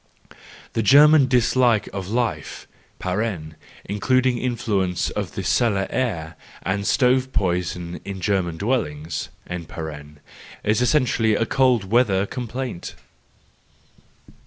—The German dislike of life (including the influence of the cellar air and stove poison in German dwellings), is essentially a cold weather complaint.